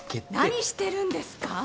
・何してるんですか！？